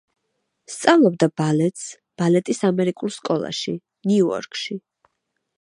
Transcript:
სწავლობდა ბალეტს, ბალეტის ამერიკულ სკოლაში, ნიუ-იორკში.